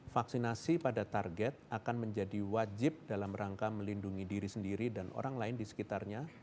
vaksinasi pada target akan menjadi wajib dalam rangka melindungi diri sendiri dan orang lain di sekitarnya